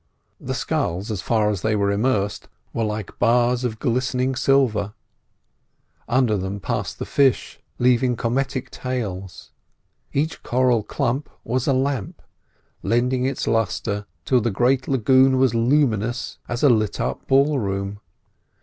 The sculls, as far as they were immersed, were like bars of glistening silver; under them passed the fish, leaving cometic tails; each coral clump was a lamp, lending its lustre till the great lagoon was luminous as a lit up ballroom.